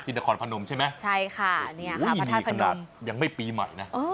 ที่นครพนมใช่ไหมใช่ค่ะนี่ค่ะประธาตุพนมยังไม่ปีใหม่นะ